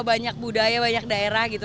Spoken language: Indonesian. banyak budaya banyak daerah gitu